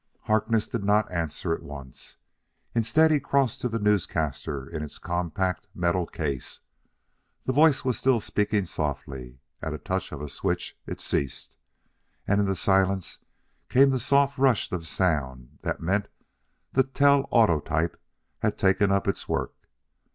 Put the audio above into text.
Harkness did not answer at once. Instead he crossed to the newscaster in its compact, metal case. The voice was still speaking softly; at a touch of a switch it ceased, and in the silence came the soft rush of sound that meant the telautotype had taken up its work.